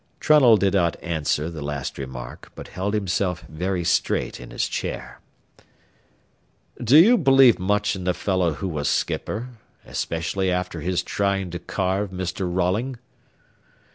Trunnell did not answer the last remark, but held himself very straight in his chair. "Do you believe much in the fellow who was skipper, especially after his tryin' to carve Mr. Rolling?"